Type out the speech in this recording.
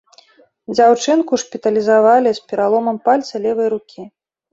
Дзяўчынку шпіталізавалі з пераломам пальца левай рукі.